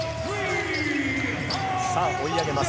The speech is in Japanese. さぁ追い上げます。